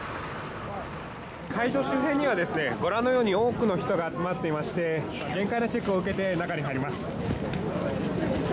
会場周辺にはご覧のように多くの人が集まっていまして、厳戒なチェックを受けて中に入ります。